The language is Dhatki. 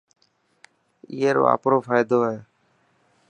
اي رو آپرو فائدو هي.